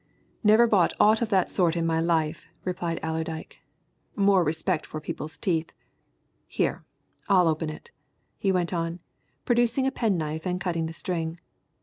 "Never bought aught of that sort in my life," replied Allerdyke. "More respect for people's teeth. Here I'll open it," he went on, producing a penknife and cutting the string.